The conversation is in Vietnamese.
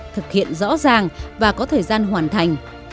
thực hiện rõ ràng và có thời gian hoàn thành